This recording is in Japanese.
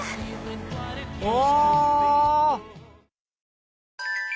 お！